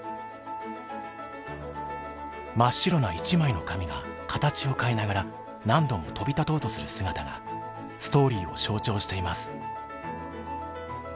真っ白な一枚の紙が形を変えながら何度も飛び立とうとする姿がストーリーを象徴しています。